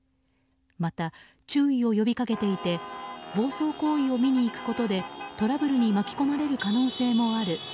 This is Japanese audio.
また、注意を呼び掛けていて暴走行為を見に行くことでトラブルに巻き込まれる可能性もある。